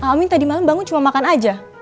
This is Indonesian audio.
amin tadi malam bangun cuma makan aja